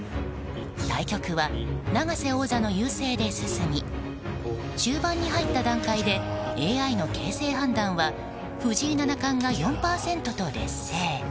対局は永瀬王座の優勢で進み終盤に入った段階でＡＩの形勢判断は藤井七冠が４％と劣性。